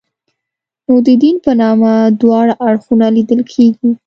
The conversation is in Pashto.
نو د دین په نامه دواړه اړخونه لیدل کېږي.